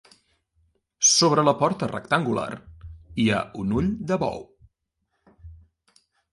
Sobre la porta rectangular hi ha un ull de bou.